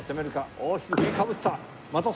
大きく振りかぶった。